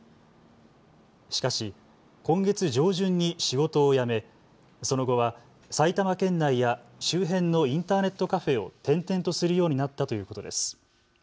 しかし今月上旬に仕事を辞めその後は埼玉県内や周辺のインターネットカフェを転々とするようになったということです。